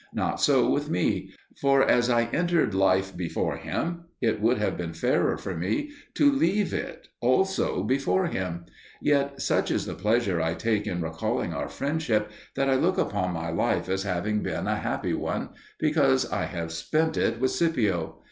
Not so with me; for as I entered life before him, it would have been fairer for me to leave it also before him. Yet such is the pleasure I take in recalling our friendship, that I look upon my life as having been a happy one because I have spent it with Scipio.